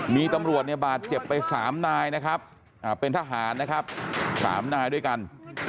มีตำรวจเนี่ยบาดเจ็บไป๓นายนะครับเป็นทหารนะครับ๓นายด้วยกัน